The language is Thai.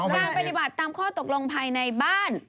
การปฏิบัติตามข้อตกลงภายในบ้าน